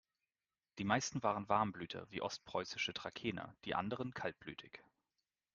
Die meisten waren Warmblüter wie ostpreußische Trakehner, die anderen kaltblütig.